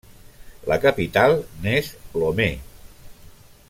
La capital n'és Lomé.